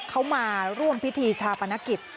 เขามาร่วมพิธีชาปนกิจ